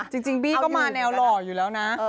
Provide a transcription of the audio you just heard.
บี้ก็มาแนวหล่ออยู่แล้วนะ